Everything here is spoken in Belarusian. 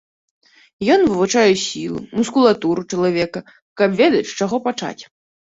Ён вывучае сілу, мускулатуру чалавека, каб ведаць, з чаго пачаць.